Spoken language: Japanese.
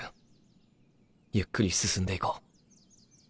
ゆっくり進んでいこう。